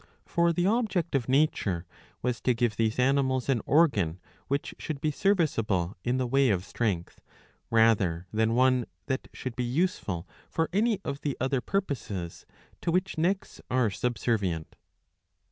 ^ For the object of nature was to give these animals an organ which should be serviceable in the way of strength, rather than one that should be useful for any of the other purposes to which necks are subservient.'''